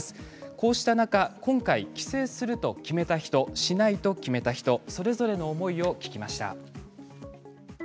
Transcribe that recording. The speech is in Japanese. こうした中、今回帰省すると決めた人、しないと決めた人それぞれの思いを聞きました。